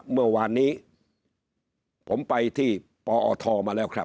เมื่อวานนี้ผมไปที่ปอทมาแล้วครับ